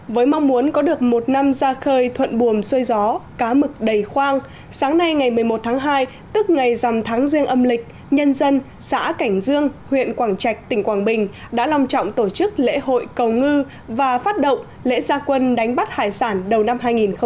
với mong muốn có được một năm ra khơi thuận buồm xuôi gió cá mực đầy khoang sáng nay ngày một mươi một tháng hai tức ngày dằm tháng riêng âm lịch nhân dân xã cảnh dương huyện quảng trạch tỉnh quảng bình đã long trọng tổ chức lễ hội cầu ngư và phát động lễ gia quân đánh bắt hải sản đầu năm hai nghìn hai mươi